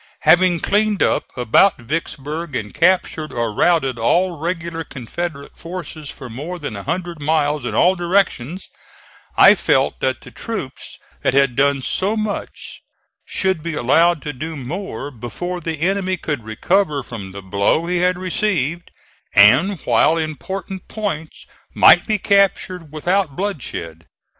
Having cleaned up about Vicksburg and captured or routed all regular Confederate forces for more than a hundred miles in all directions, I felt that the troops that had done so much should be allowed to do more before the enemy could recover from the blow he had received, and while important points might be captured without bloodshed.